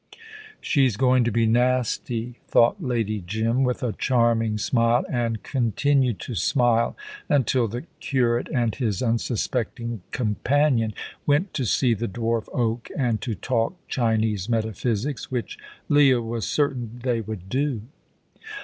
"She's going to be nasty," thought Lady Jim, with a charming smile, and continued to smile until the curate and his unsuspecting companion went to see the dwarf oak and to talk Chinese metaphysics, which Leah was certain they would do.